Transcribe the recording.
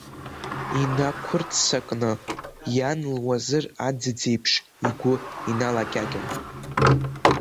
Инақәырццакны иан луазыр аӡыӡ еиԥш игәы иналакьакьон.